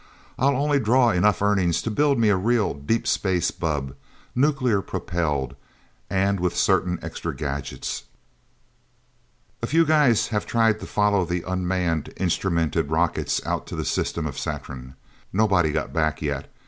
"I'll only draw enough earnings to build me a real, deep space bubb, nuclear propelled, and with certain extra gadgets. A few guys have tried to follow the unmanned, instrumented rockets, out to the system of Saturn. Nobody got back, yet.